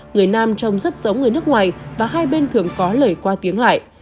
người nam trông rất giống người nước ngoài và hai bên thường có lời qua tiếng lại